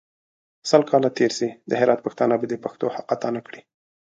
سل کاله تېر سي د هرات پښتانه به د پښتو حق اداء نکړي.